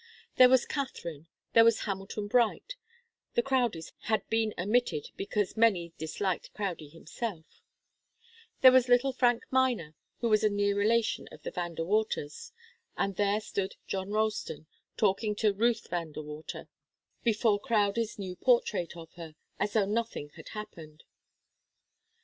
There was Katharine, there was Hamilton Bright, the Crowdies had been omitted because so many disliked Crowdie himself, there was little Frank Miner, who was a near relation of the Van De Waters, and there stood John Ralston, talking to Ruth Van De Water, before Crowdie's new portrait of her, as though nothing had happened.